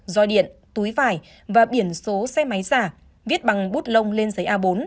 doi điện túi vải và biển số xe máy giả viết bằng bút lông lên giấy a bốn